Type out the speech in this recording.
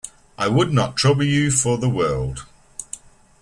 I would not trouble you for the world.